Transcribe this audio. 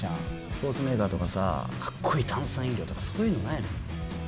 スポーツメーカーとかさかっこいい炭酸飲料とかそういうのないの？